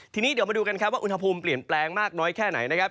ทีนี้เดี๋ยวมาดูกันครับว่าอุณหภูมิเปลี่ยนแปลงมากน้อยแค่ไหนนะครับ